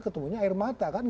ketemunya air mata kan